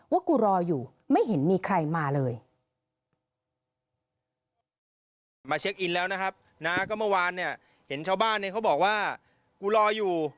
กูรออยู่ไม่เห็นมีใครมาเลย